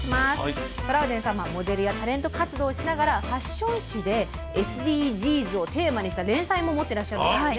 トラウデンさんはモデルやタレント活動をしながらファッション誌でＳＤＧｓをテーマにした連載も持ってらっしゃるんですよね。